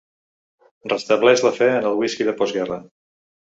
Restableix la fe en el whisky de postguerra.